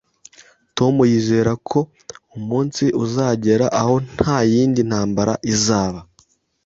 Tom yizera ko umunsi uzagera aho ntayindi ntambara izaba